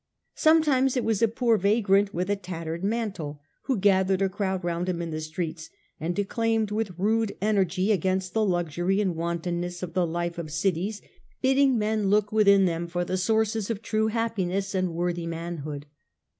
Sometimes it was a poor vagrant with a tattered mantle, who gathered a crowd around him in the streets, and declaimed with rude energy against the luxury and wantonness of the life of cities, bidding men look within them for the sources of true happiness and worthy manhood.